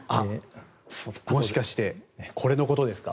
もしかしてこれのことですか？